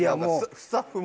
スタッフも。